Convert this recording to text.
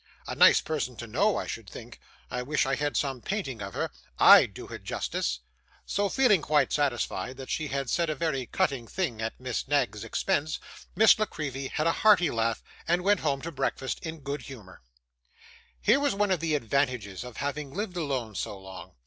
'A nice person to know, I should think! I wish I had the painting of her: I'D do her justice.' So, feeling quite satisfied that she had said a very cutting thing at Miss Knag's expense, Miss La Creevy had a hearty laugh, and went home to breakfast in great good humour. Here was one of the advantages of having lived alone so long!